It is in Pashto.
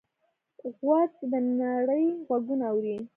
غوږ د نړۍ غږونه اوري.